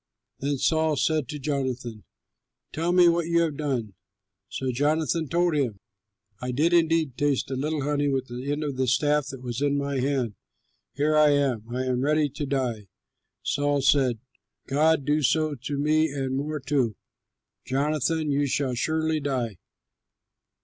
Then Saul said to Jonathan, "Tell me what you have done." So Jonathan told him, "I did indeed taste a little honey with the end of the staff that was in my hand. Here I am! I am ready to die." Saul said, "God do so to me and more too; Jonathan, you shall surely die!"